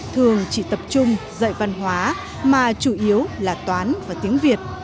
thường chỉ tập trung dạy văn hóa mà chủ yếu là toán và tiếng việt